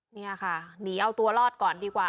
นี่ค่ะหนีเอาตัวรอดก่อนดีกว่า